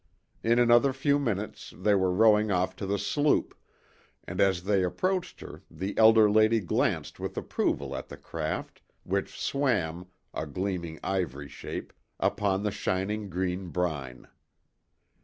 In another few minutes they were rowing off to the sloop, and as they approached her the elder lady glanced with approval at the craft, which swam, a gleaming ivory shape, upon the shining green brine.